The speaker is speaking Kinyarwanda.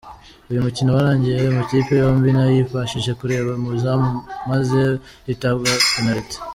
Uyu mukino warangiye amakipe yombi ntayibashije kureba mu izamu maze hitabazwa penaliti.